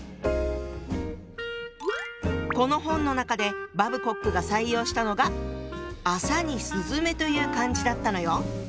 この本の中でバブコックが採用したのが「麻」に「雀」という漢字だったのよ。